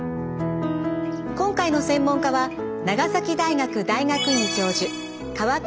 今回の専門家は長崎大学大学院教授川上純さん。